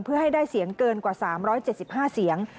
เพื่อให้ได้เสียงเกินกว่า๓๗๕เสียง